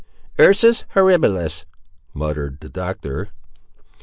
"Ursus horribilis," muttered the Doctor.